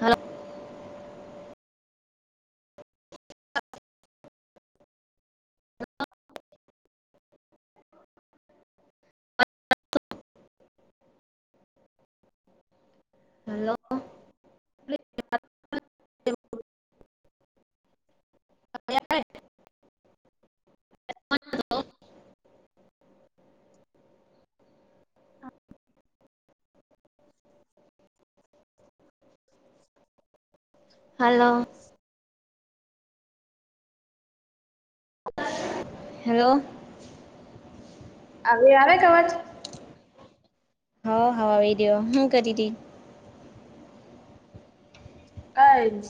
હાાલ [inaudible] hello હવે અ hello hello હવે આવે છેં આવાજ હ હા એ દેવ હું કરી રહી કઈ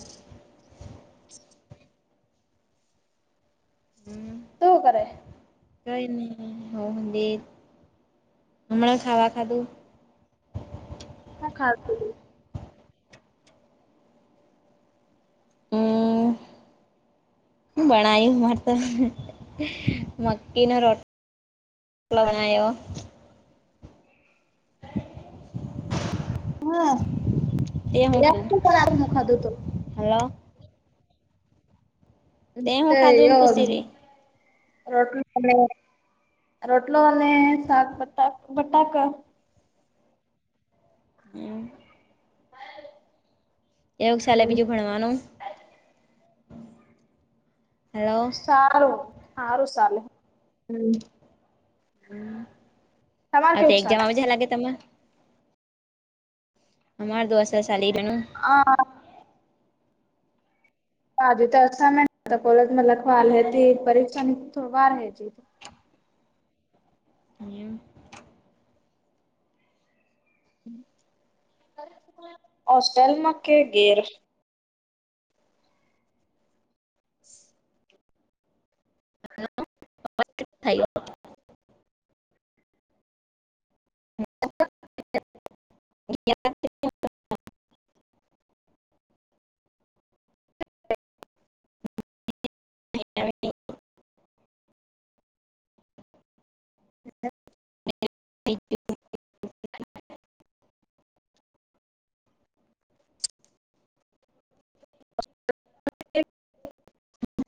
હમ તું કરે કઈ નહી હમણાં ખાવા ખાધું હુ ખાધું હુ બણાયું માર તો મક્કી નો રોટ વનાાયો તે હું ખાધું [unintelligible] હલો તે હું ખાધું એમ પૂછી રહી [unintelligible] રોટલો રોટલો અને સાક પતાક બટાક હમ્મ [inaudible] કેવું ચાલે બીજું ભણવાનું હલો સારું સારું હારું સાલે હમ્મ હ તમારે તો કેવું એક્ઝામ ચાલે આવે જ લાગે તને અમાર તો [unintelligible] હા હાજ તો અમે કોલેજમાં લખવાલ હતી પરીક્ષા ની થો વાર હ છે [inaudible] હોસ્ટેલમાં કે ઘેર [inaudible] થઈ [inaudible] [inaudible] [unintelligible]